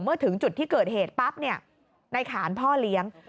เมื่อถึงจุดที่เกิดเหตุปั๊บเนี่ยในขานพ่อเลี้ยง